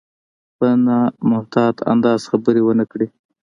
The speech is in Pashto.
په نامحتاط انداز خبرې ونه کړي.